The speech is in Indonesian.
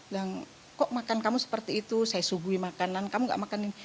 dan kok makan kamu seperti itu saya subuhi makanan kamu gak makan ini